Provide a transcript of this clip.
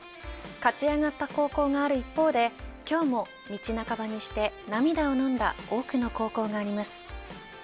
勝ち上がった高校がある一方で今日も道半ばにして涙をのんだ多くの高校があります。